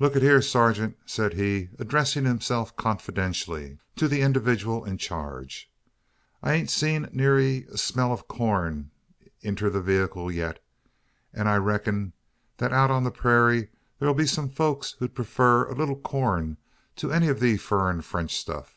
"Lookee hyur, surgint," said he, addressing himself confidentially to the individual in charge, "I hain't seed neery smell o' corn put inter the veehicle as yit; an', I reck'n, thet out on the purayra, thur'll be some folks ud prefar a leetle corn to any o' thet theer furrin French stuff.